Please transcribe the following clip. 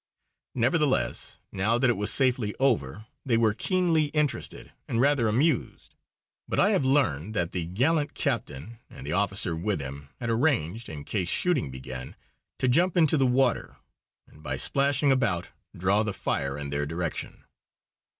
Nevertheless, now that it was safely over, they were keenly interested and rather amused. But I have learned that the gallant captain and the officer with him had arranged, in case shooting began, to jump into the water, and by splashing about draw the fire in their direction!